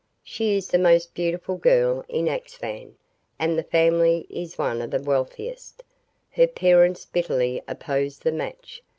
"She is the most beautiful girl in Axphain, and the family is one of the wealthiest. Her parents bitterly oppose the match.